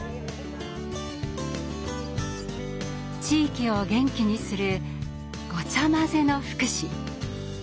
地域を元気にするごちゃまぜの福祉。